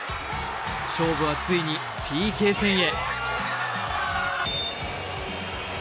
勝負は、ついにＰＫ戦へ。